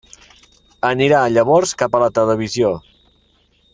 Anirà llavors cap a la televisió.